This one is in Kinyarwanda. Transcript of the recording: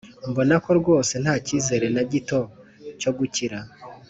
mbona ko rwose ntacyizere nagito cyo gukira.